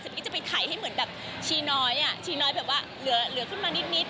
จะไปถ่ายให้ทิ้งน้อยน่ะทิ้งน้อยเหลือขึ้นมานิด